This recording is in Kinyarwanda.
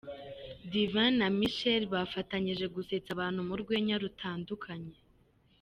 Divin na Michael bafatanyije gusetsa abantu mu rwenya rutandukanye.